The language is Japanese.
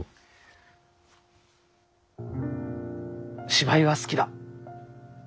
芝居は好きだ。